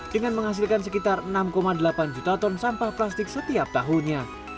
dengan menghasilkan sekitar enam delapan juta ton sampah plastik setiap tahunnya